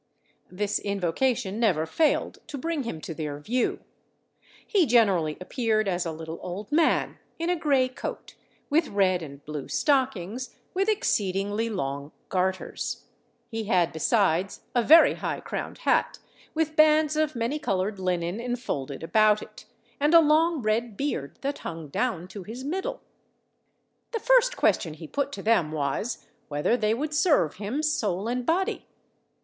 This invocation never failed to bring him to their view. He generally appeared as a little old man, in a grey coat, with red and blue stockings, with exceedingly long garters. He had besides a very high crowned hat, with bands of many coloured linen enfolded about it, and a long red beard that hung down to his middle. The first question he put to them was, whether they would serve him soul and body?